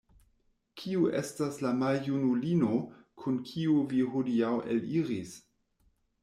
Kiu estas la maljunulino, kun kiu vi hodiaŭ eliris?